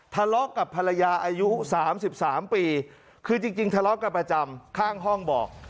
ทะเลาะกับภรรยาอายุ๓๓ปีคือจริงทะเลาะกันประจำข้างห้องบอก